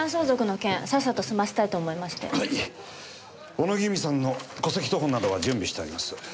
小野木由美さんの戸籍謄本などは準備してあります。